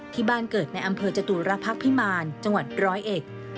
ที่บ้านเกิดในอำเภอจตุรพักษ์พิมารจังหวัดร้อยเอ็ด